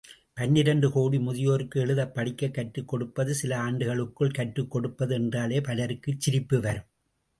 பன்னிரண்டு கோடி முதியோருக்கு எழுதப் படிக்கக் கற்றுக் கொடுப்பது, சில ஆண்டுகளுக்குள் கற்றுக்கொடுப்பது என்றாலே பலருக்குச் சிரிப்பு வரும்.